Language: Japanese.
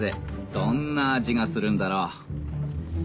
どんな味がするんだろう？